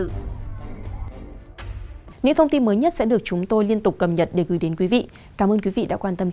những thông tin mới nhất sẽ được chúng tôi liên tục cầm nhận để gửi đến quý vị cảm ơn quý vị đã quan tâm theo dõi xin kính chào và hẹn gặp lại